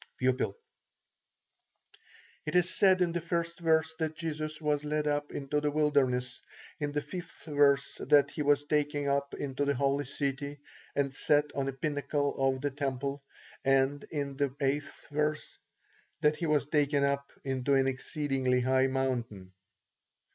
P. It is said in the 1st verse that Jesus was led up into the wilderness; in the 5th verse, that he was taken up into the holy city, and set on a pinnacle of the temple; and in the 8th verse, that he was taken up into an exceedingly high mountain.